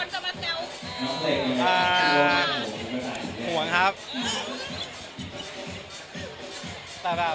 ตอนนี้มันน่ากลวงเลยครับ